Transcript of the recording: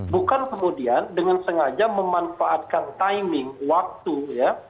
bukan kemudian dengan sengaja memanfaatkan timing waktu ya